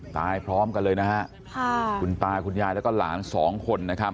พร้อมกันเลยนะฮะค่ะคุณตาคุณยายแล้วก็หลานสองคนนะครับ